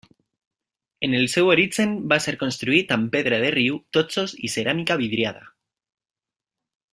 En el seu origen va ser construït amb pedra de riu, totxos i ceràmica vidriada.